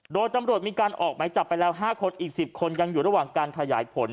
โดยตำรวจมีการออกไหมจับไปแล้ว๕คนอีก๑๐คนยังอยู่ระหว่างการขยายผล